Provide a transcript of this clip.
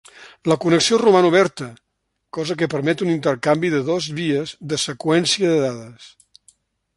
La connexió roman oberta, cosa que permet un intercanvi de dos vies de seqüència de dades.